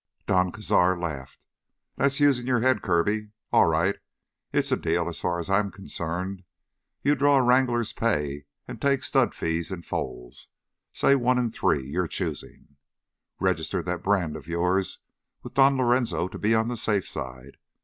Don Cazar laughed. "That's using your head, Kirby. All right. It's a deal as far as I'm concerned. You draw wrangler's pay and take stud fees in foals—say one in three, your choosing. Register that brand of yours with Don Lorenzo to be on the safe side.